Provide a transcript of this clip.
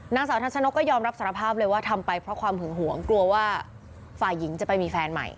นางสาวทัชนกก็ยอมรับสารภาพเลยว่าทำไปเพราะความหึงหวงกลัวว่าฝ่ายหญิงจะไปมีแฟนใหม่